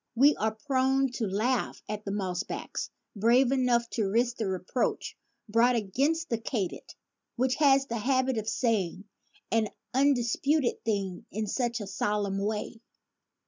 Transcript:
We are prone to laugh at the mossbacks brave enough to risk the reproach brought against the katy did, which has the habit of saying "an undis puted thing in such a solemn way."